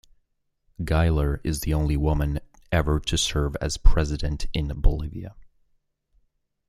Gueiler is the only woman ever to serve as president in Bolivia.